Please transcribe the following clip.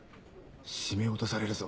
締め落とされるぞ。